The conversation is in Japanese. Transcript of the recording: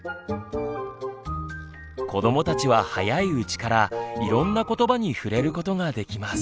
子どもたちは早いうちからいろんな言葉に触れることができます。